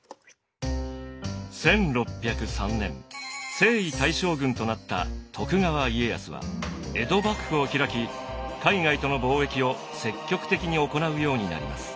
１６０３年征夷大将軍となった徳川家康は江戸幕府を開き海外との貿易を積極的に行うようになります。